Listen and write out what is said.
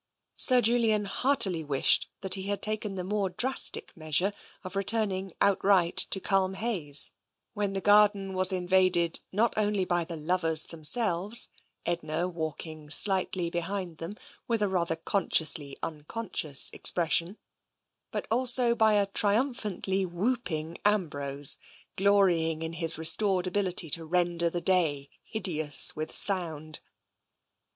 Sir Julian heartily wished that he had taken the more drastic measure of returning outright to Culmhayes when the garden was invaded not only by the lovers themselves, Edna walking slightly behind them with a rather consciously unconscious expression, but also by a triumphantly whooping Ambrose, glorying in his restored ability to render the day hideous with sound.